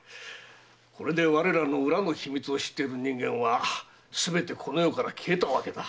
これで我らの裏の秘密を知っている人間はすべてこの世から消えたわけだ。